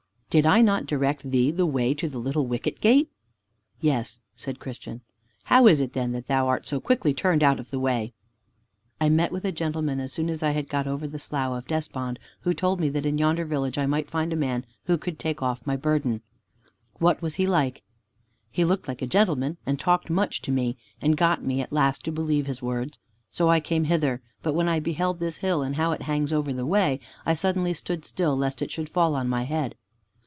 "Did I not direct thee the way to the little Wicket gate?" "Yes," said Christian. "How is it, then, that thou art so quickly turned out of the way?" "I met with a gentleman as soon as I had got over the Slough of Despond, who told me that in yonder village I might find a man who could take off my burden." "What was he like?" "He looked like a gentleman, and talked much to me, and got me at last to believe his words. So I came hither, but when I beheld this hill and how it hangs over the way, I suddenly stood still lest it should fall on my head."